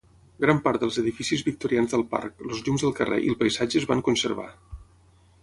Gran part dels edificis victorians del parc, els llums del carrer i el paisatge es van conservar.